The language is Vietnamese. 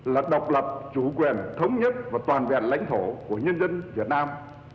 là độc lập chủ quyền thống nhất và toàn vẹn lãnh thổ của nhân dân việt nam